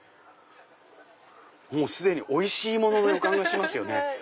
もう既においしいものの予感がしますよね。